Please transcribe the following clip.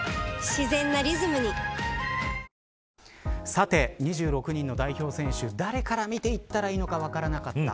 さて、２６人の代表選手誰から見ていったらいいのか分からなかった。